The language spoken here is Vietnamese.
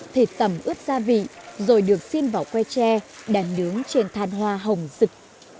thịt tẩm ướt gia vị rồi được xin vào que tre đàn nướng trên than hoa hồng rực